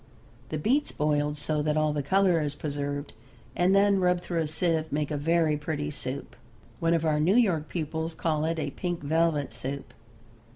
The beets, boiled so that all the color is preserved, and then rubbed through a sieve, make a very pretty soup. One of our New York pupils calls it a "pink velvet soup."